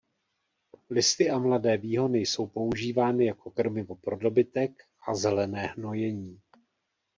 Listy a mladé výhony jsou používány jako krmivo pro dobytek a zelené hnojení.